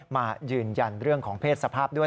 มายืนยันเรื่องของเพศสภาพด้วย